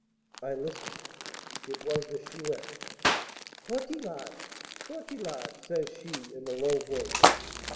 I listened, it was the Chouette. 'Tortillard! Tortillard!' says she, in a low voice.